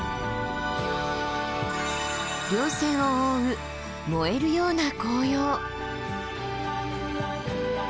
稜線を覆う燃えるような紅葉！